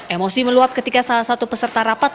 emosi meluap ketika salah satu peserta rapat